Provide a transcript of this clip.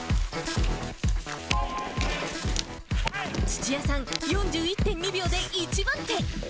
土屋さん、４１．２秒で１番手。